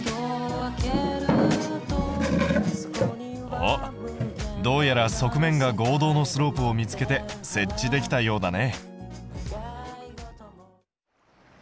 おっどうやら側面が合同のスロープを見つけて設置できたようだね。